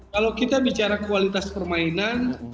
kalau kita bicara kualitas permainan